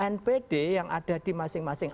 npd yang ada di masing masing